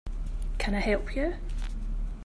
Can I help you?